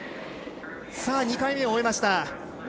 ２回目を終えました。